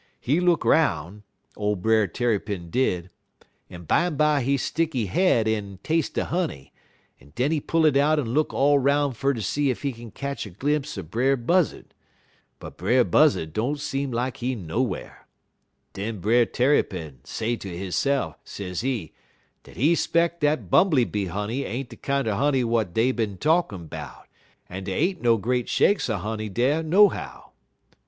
He look 'roun', ole Brer Tarrypin did, en bimeby he stick he head in en tas'e de honey, en den he pull it out en look all 'roun' fer ter see ef he kin ketch a glimpse er Brer Buzzud; but Brer Buzzud don't seem lak he nowhar. Den Brer Tarrypin say to hisse'f, sezee, dat he 'speck dat bumbly bee honey ain't de kinder honey w'at dey been talkin' 'bout, en dey ain't no great shakes er honey dar nohow.